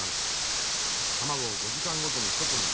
卵を５時間ごとに外に出して冷やし